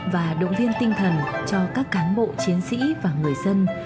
và động viên tinh thần cho các cán bộ chiến sĩ và người dân